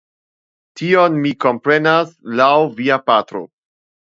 Tion mi komprenas laŭ via patro.